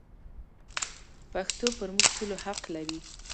پښتو پر موږ ټولو حق لري.